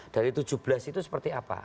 dari tujuh belas itu seperti apa